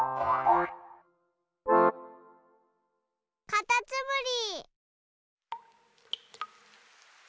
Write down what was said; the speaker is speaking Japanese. かたつむり。